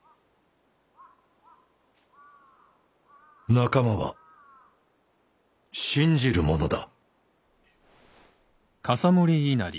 仲間は信じるものだ。